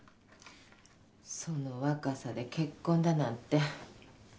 その若さで結婚だなんて。